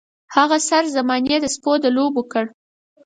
هغه سر زمانې د سپو د لوبو کړ.